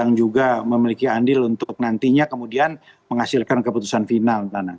yang juga memiliki andil untuk nantinya kemudian menghasilkan keputusan final